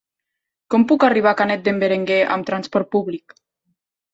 Com puc arribar a Canet d'en Berenguer amb transport públic?